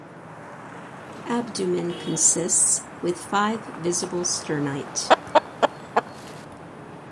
Abdomen consists with five visible sternite.